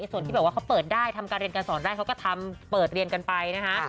ส่วนที่แบบว่าเขาเปิดได้ทำการเรียนการสอนได้เขาก็ทำเปิดเรียนกันไปนะคะ